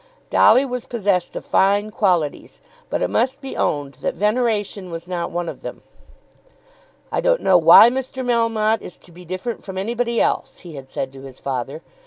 Dolly was possessed of fine qualities, but it must be owned that veneration was not one of them. "I don't know why Mr. Melmotte is to be different from anybody else," he had said to his father.